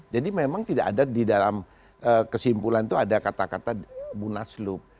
jadi memang tidak ada di dalam kesimpulan itu ada kata kata munaslup